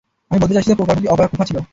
আমি বলতে চাইছি যে প্রকল্পটি অপয়া কুফা ছিল।